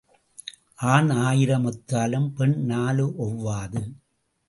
ஆண் ஆயிரம் ஒத்தாலும் பெண் நாலு ஒவ்வாது.